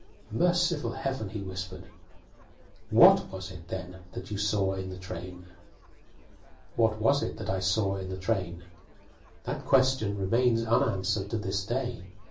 "Merciful Heaven!" he whispered. "What was it, then, that you saw in the train?" What was it that I saw in the train? That question remains unanswered to this day.